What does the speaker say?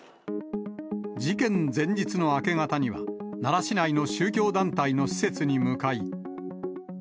事件前日の明け方には、奈良市内の宗教団体の施設に向かい。